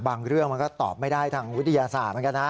เรื่องมันก็ตอบไม่ได้ทางวิทยาศาสตร์เหมือนกันนะ